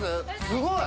すごい。